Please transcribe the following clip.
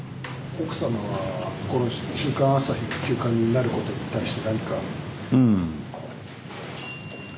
奥様はこの「週刊朝日」が休刊になることに対して何か。